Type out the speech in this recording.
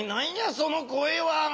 その声は。